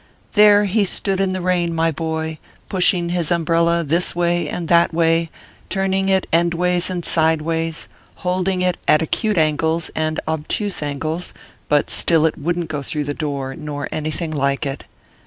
There he stood in the rain, my boy, pushing his umbrella this way and that way, turning it endways and sideways, holding it at acute angles and obtuse angles ; but still it wouldn t go through the door, nor anything like it.